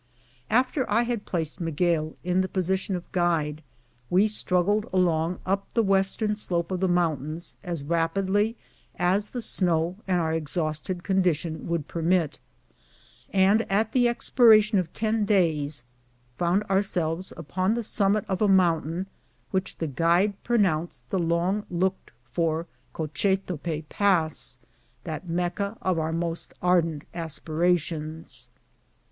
After I had placed Miguel in the position of guide, we struggled along up the western slope of the mountains as rapidly as the snow and our exhausted condition would permit, and, at the expiration of ten days, found ourselves upon the summit of a mountain, which the guide pro nounced the long looked for Cochetope Pass — that Mecca of our most ardent aspirations.